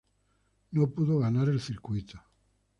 No pudo ganar el circuito.